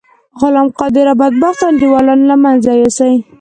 غلام قادر او بدبخته انډيوالان له منځه یوسی.